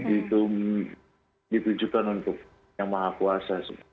itu ditujukan untuk yang maha kuasa